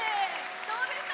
どうでした？